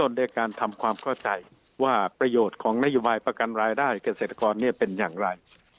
ด้วยการทำความเข้าใจว่าประโยชน์ของนโยบายประกันรายได้เกษตรกรเป็นอย่างไร